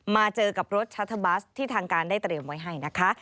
มาเจอกับรถชัตเทอร์บัสที่ทางการได้เตรียมไว้ให้นะคะ